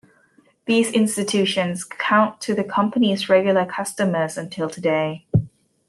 These institutions count to the company's regular customers until today.